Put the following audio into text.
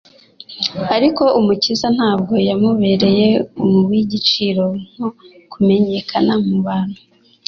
Ariko Umukiza ntabwo yamubereye uw'igiciro nko kumenyekana mu bantu